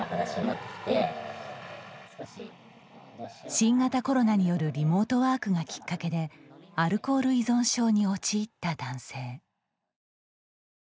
新型コロナによるリモートワークがきっかけでアルコール依存症に陥った男性。